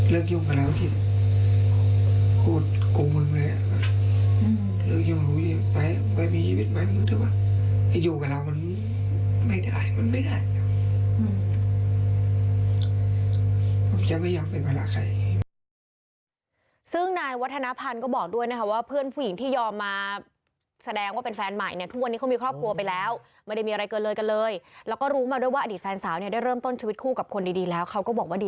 รู้สึกว่าอยู่กันมันไม่ได้